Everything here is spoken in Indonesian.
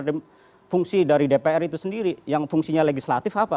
jadi fungsi dari dpr itu sendiri yang fungsinya legislatif apa